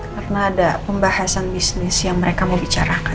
karena ada pembahasan bisnis yang mereka mau bicarakan